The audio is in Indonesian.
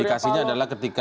indikasinya adalah ketika